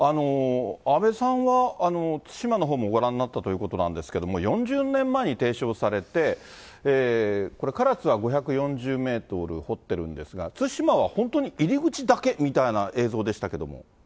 阿部さんは、対馬のほうもご覧になったということなんですけれども、４０年前に提唱されて、これ、唐津は５４０メートル掘ってるんですが、対馬は本当に入り口だけみたいな映像でしたけども。